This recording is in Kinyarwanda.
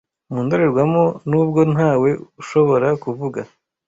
Mu ndorerwamo, nubwo ntawe ushobora kuvuga